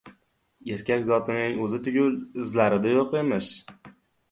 Erkak zotining o‘zi tugul, izlari-da yo‘q emish.